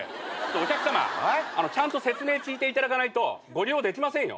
お客さまちゃんと説明聞いていただかないとご利用できませんよ。